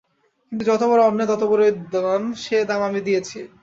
কিন্তু যতবড়ো অন্যায় ততবড়োই দাম, সে দাম আমি দিয়েছি।